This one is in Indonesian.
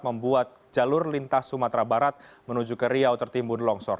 membuat jalur lintas sumatera barat menuju ke riau tertimbun longsor